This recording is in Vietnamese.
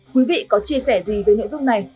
quý vị có chia sẻ gì về nội dung này